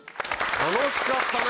楽しかったね！